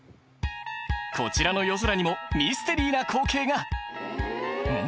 こちらの夜空にもミステリーな光景がんっ？